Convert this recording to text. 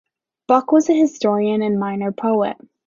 Buck was an historian and minor poet.